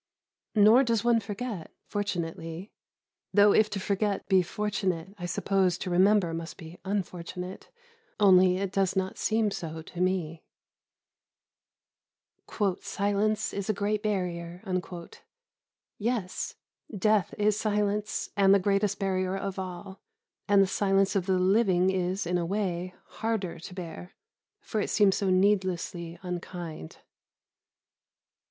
Nor does one forget fortunately though if to forget be fortunate, I suppose to remember must be unfortunate, only it does not seem so to me. "Silence is a great barrier" yes, death is silence, and the greatest barrier of all, and the silence of the living is, in a way, harder to bear, for it seems so needlessly unkind.